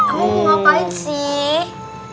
kamu mau ngapain sih